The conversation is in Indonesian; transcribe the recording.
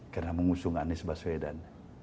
karena mengusung anies baswedan